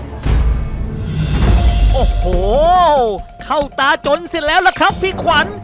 มากอ๋อโหเข้าตายยทัวร์สิแล้วล่ะครับพี่ขวัญ